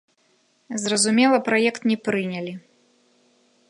Зразумела, праект не прынялі.